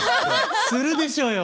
するでしょよ！